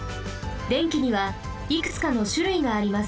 電気にはいくつかのしゅるいがあります。